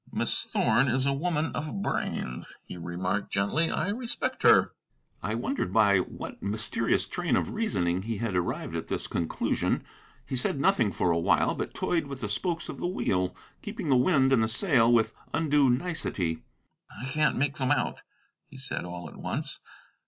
"Miss Thorn is a woman of brains," he remarked gently; "I respect her." I wondered by what mysterious train of reasoning he had arrived at this conclusion. He said nothing for a while, but toyed with the spokes of the wheel, keeping the wind in the sail with undue nicety. "I can't make them out," he said, all at once.